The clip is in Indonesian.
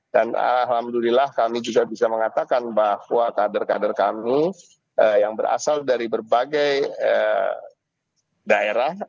dan alhamdulillah kami juga bisa mengatakan bahwa kader kader kami yang berasal dari berbagai daerah